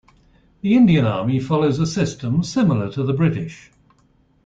The Indian Army follows a system similar to the British.